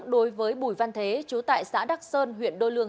đối với bùi văn thế chú tại xã đắc sơn huyện đô lương